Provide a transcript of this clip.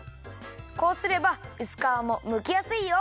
こうすればうすかわもむきやすいよ。